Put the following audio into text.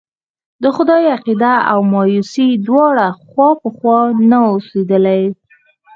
د خدای عقيده او مايوسي دواړه خوا په خوا نه اوسېدلی.